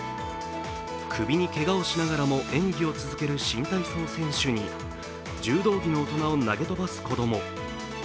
首にけがをしながらも演技を続ける新体操選手に、柔道着の大人を投げ飛ばす子供。